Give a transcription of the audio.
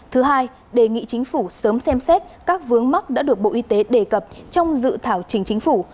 thứ hai đề nghị chính phủ sớm xem xét các vướng mắc đã được bộ y tế đề cập trong dự thảo chính chính phủ